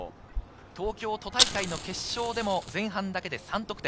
東京都大会の決勝でも前半だけで３得点。